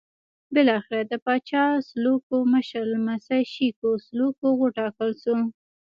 بالاخره د پاچا سلوکو مشر لمسی شېکو سلوکو وټاکل شو.